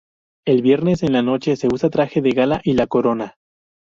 El viernes en la noche se usa un traje de gala y la corona.